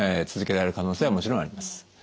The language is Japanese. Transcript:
続けられる可能性はもちろんあります。